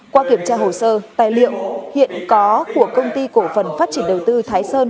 qua kiểm tra hồ sơ tài liệu hiện có của công ty cổ phần phát triển đầu tư thái sơn